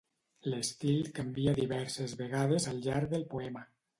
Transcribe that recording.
L'estil canvia diverses vegades al llarg del poema.